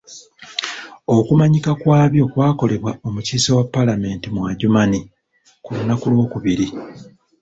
Okumanyika kwabyo kwakolebwa omukiise wa ppulezidenti mu Adjumani ku lunaku lw'okubiri.